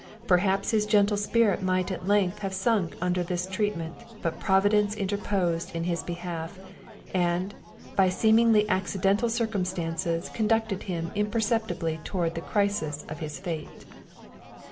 Perhaps his gentle spirit might at length have sunk under this treatment, but providence interposed in his behalf; and, by seemingly accidental circumstances, conducted him imperceptibly towards the crisis of his fate.